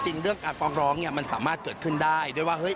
จริงเรื่องฟ้องร้องมันสามารถเกิดขึ้นได้